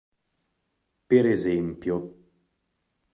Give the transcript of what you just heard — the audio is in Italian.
Per esempio.